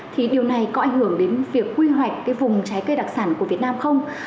thì điều này có ảnh hưởng đến việc quy hoạch cái vùng trái cây đặc sản của việt nam không